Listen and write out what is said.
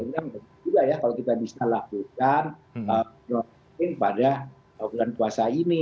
jadi itu juga ya kalau kita bisa lakukan groundbreaking pada bulan puasa ini